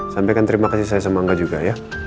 sampaikan terima kasih saya sama angga juga ya